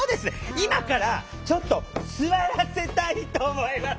今からちょっと座らせたいと思います。